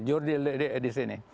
jurdil di sini